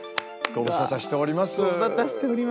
ご無沙汰しております。